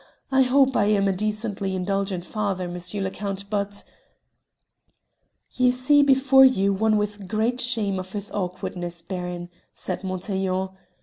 I hope I am a decently indulgent father, M. le Count, but " "You see before you one with great shame of his awkwardness, Baron," said Montaiglon.